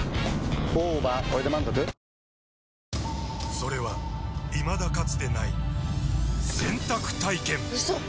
それはいまだかつてない洗濯体験‼うそっ！